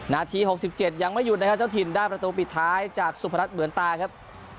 นาที๖๗ยังไม่หยุดนะครับเจ้าถิ่นได้ประตูปิดท้ายจากสุพรัชเหมือนตาครับ